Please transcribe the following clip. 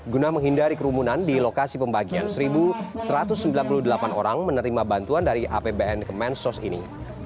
guna menghindari kerumunan di lokasi pembagian satu satu ratus sembilan puluh delapan orang menerima bantuan dari apbn kemensos ini